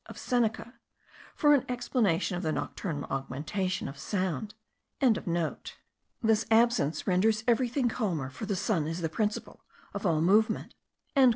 of Seneca, for an explanation of the nocturnal augmentation of sound.) This absence renders every thing calmer, for the sun is the principle of all movement."